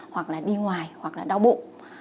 hoặc là đi ngoài hoặc là đau bụng